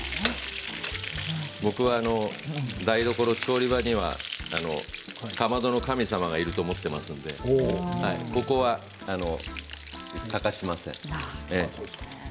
僕は台所、調理場にはかまどの神様がいると思っていますのでここは欠かしません。